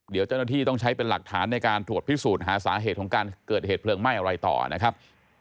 เดี๋ยวเจ้าหน้าที่ต้องใช้เป็นหลักฐานในการตรวจพิสูจน์หาสาเหตุของการเกิดเหตุเพลิงไหม้อะไรต่อนะครับ